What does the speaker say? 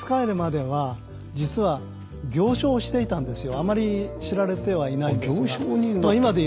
あまり知られてはいないですが。